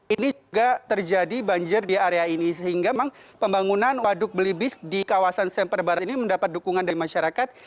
ini juga terjadi banjir di area ini sehingga memang pembangunan waduk belibis di kawasan semper barat ini mendapat dukungan dari masyarakat